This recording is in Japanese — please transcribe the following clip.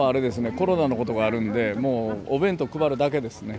コロナのことがあるんでもうお弁当配るだけですね。